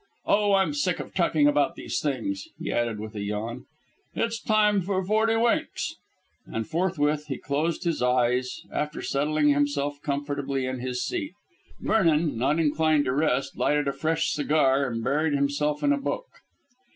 Oh, I'm sick of talking about these things," he added with a yawn. "It's time for forty winks." And forthwith he closed his eyes, after settling himself comfortably in his seat. Vernon, not inclined to rest, lighted a fresh cigar and buried himself in a book.